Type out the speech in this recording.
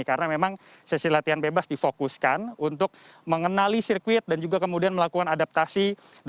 karena memang sesi latihan bebas difokuskan untuk mengenali sirkuit dan juga kemudian melakukan adaptasi